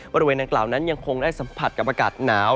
บริเวณดังกล่าวนั้นยังคงได้สัมผัสกับอากาศหนาว